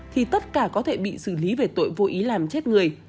thì tất cả có thể bị xử lý về tội vô ý làm chết người